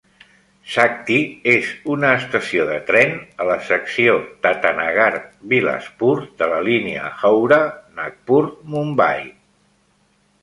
Sakti és una estació de tren a la secció Tatanagar-Bilaspur de la línia Howrah-Nagpur-Mumbai.